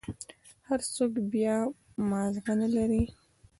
هر سوك بيا مازغه نلري.